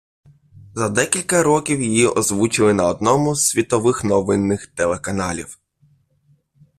За декілька років її озвучили на одному з світових новинних телеканалів.